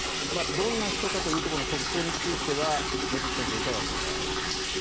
どんな人かという特徴については望月先生、いかがですか？